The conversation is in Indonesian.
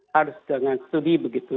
harus dengan studi begitu